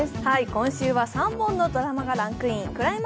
今週は３本のドラマがランクイン。